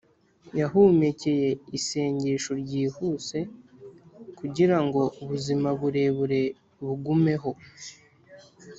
yahumekeye isengesho ryihuse kugirango ubuzima burebure bugumeho